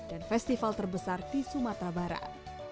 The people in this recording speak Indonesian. dan festival terbesar di sumatera barat